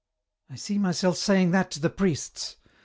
" I see myself saying that to the priests